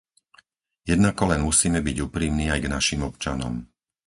Jednako len musíme byť úprimní aj k našim občanom.